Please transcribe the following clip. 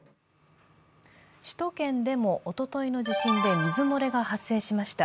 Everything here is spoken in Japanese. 首都圏でもおとといの地震で水漏れが発生しました。